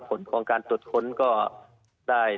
ผลของการตรวจค้นก็ได้